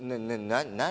何？